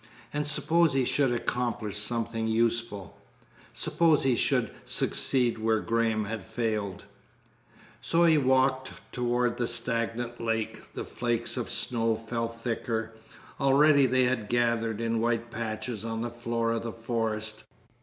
And suppose he should accomplish something useful? Suppose he should succeed where Graham had failed? So he walked toward the stagnant lake. The flakes of snow fell thicker. Already they had gathered in white patches on the floor of the forest.